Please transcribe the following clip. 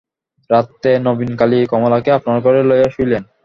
রাত্রে নবীনকালী কমলাকে আপনার ঘরে লইয়া শুইলেন।